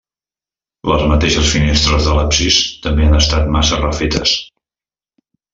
Les mateixes finestres de l'absis també han estat massa refetes.